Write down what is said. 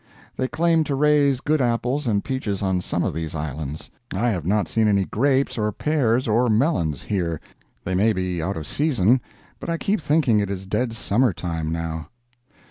They claim to raise good apples and peaches on some of these islands. I have not seen any grapes, or pears or melons here. They may be out of season, but I keep thinking it is dead Summer time now.